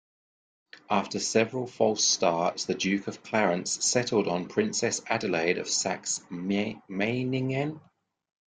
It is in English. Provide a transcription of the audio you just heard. After several false starts, the Duke of Clarence settled on Princess Adelaide of Saxe-Meiningen.